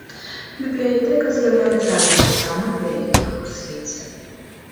Бібліятэка з'яўляецца адной з самых вялікіх у свеце.